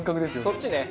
そっちね？